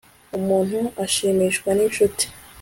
umuntu ashimishwa n incuti